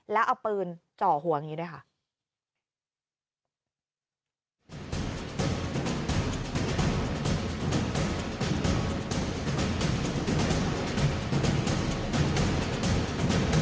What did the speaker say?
แล้วเอาปืนจ่อหัวอย่างนี้ด้วยค่ะ